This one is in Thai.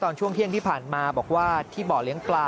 ช่วงเที่ยงที่ผ่านมาบอกว่าที่บ่อเลี้ยงปลา